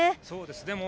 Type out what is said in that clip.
そうですね。